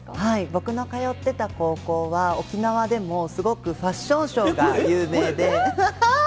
僕の通ってた高校は、沖縄でもすごくファッションショーが有名で。